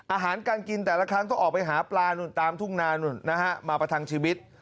อาหารการกินแต่ละครั้งต้องออกไปหาปลานู่นตามทุ่งนานุ่นนะฮะมาประทังชีวิต